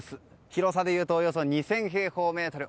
広さはおよそ２０００平方メートル。